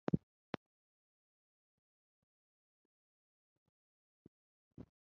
一般认为大多数土着部落群体的祖先从西藏迁移到此。